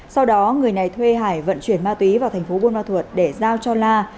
sau đó người này thuê hải vận chuyển ma túy vào thành phố buôn ma thuột để giao cho la